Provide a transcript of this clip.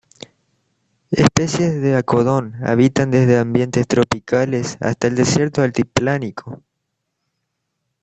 Especies de "Akodon" habitan desde ambientes tropicales hasta el desierto altiplánico.